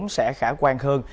sẽ khả quan hơn